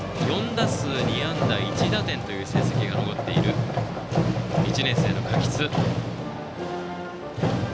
４打数２安打１打点という成績が残っている１年生の垣津。